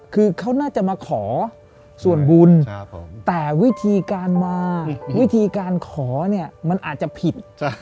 คือเขาน่าจะมาขอส่วนบุญแต่วิธีการมาวิธีการขอเนี่ยมันอาจจะผิด